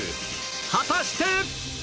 果たして？